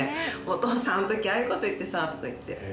「“お父さんあの時ああいう事言ってさ”とか言って」